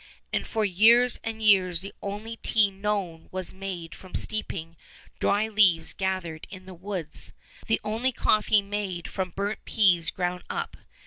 And for years and years the only tea known was made from steeping dry leaves gathered in the woods; the only coffee made from burnt peas ground up.